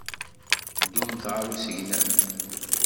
Ddumt ɣer usegnaf.